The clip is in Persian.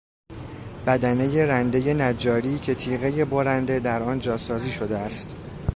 بدنهی رندهی نجاری که تیغهی برنده در آن جاسازی شده است.